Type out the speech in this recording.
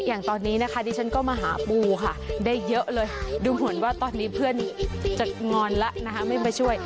อย่างตอนนี้นะคะดิฉันก็มาหาปูค่ะได้เยอะเลยดูเหมือนว่าตอนนี้เพื่อนจะงอนแล้วนะคะไม่มาช่วย